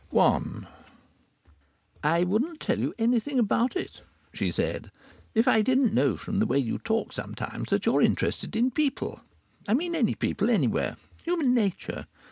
I I wouldn't tell you anything about it (she said) if I didn't know from the way you talk sometimes that you are interested in people. I mean any people, anywhere. Human nature!